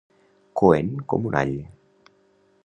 Coent com un all.